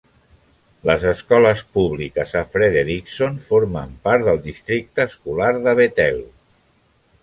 Les escoles públiques a Frederickson formen part del districte escolar de Bethel.